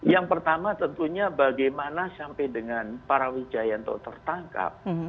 yang pertama tentunya bagaimana sampai dengan para wijayanto tertangkap